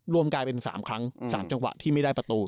รวมกลายเป็น๓ครั้ง๓จังหวะที่ไม่ได้ประตู